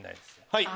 はい。